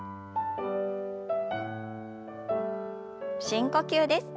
深呼吸です。